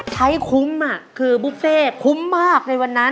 ใช้คุ้มคือบุฟเฟ่คุ้มมากในวันนั้น